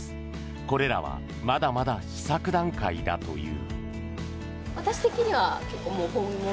これらはまだまだ試作段階だという。